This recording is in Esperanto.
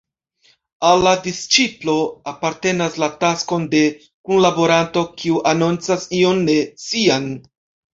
Al la disĉiplo apartenas la taskon de kunlaboranto kiu anoncas ion ne sian.